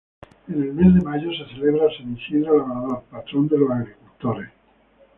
En el mes de mayo se celebra San Isidro Labrador, patrón de los agricultores.